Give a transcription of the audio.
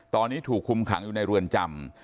ตอนนี้ถูกคุมขังอยู่ในเรือนจำ